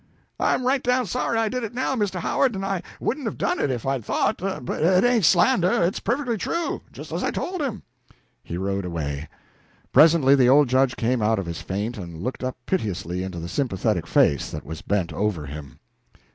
"I'm right down sorry I did it now, Mr. Howard, and I wouldn't have done it if I had thought: but it ain't slander; it's perfectly true, just as I told him." He rowed away. Presently the old Judge came out of his faint and looked up piteously into the sympathetic face that was bent over him.